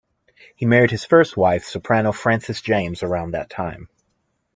He married his first wife, soprano Frances James, around that time.